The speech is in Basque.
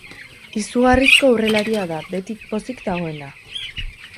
Izugarrizko aurrelaria da, beti pozik dagoena.